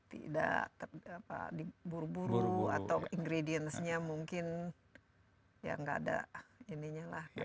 tidak diburu buru atau ingredients nya mungkin ya nggak ada ininya lah